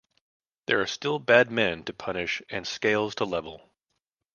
There are still bad men to punish and scales to level.